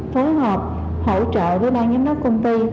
phối hợp hỗ trợ với bang giám đốc công ty